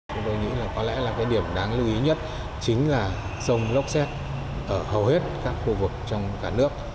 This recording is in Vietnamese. theo dự báo trong đợt nghỉ lễ dài ngày sắp tới nắng nóng vẫn sẽ tiếp diễn tại khu vực miền trung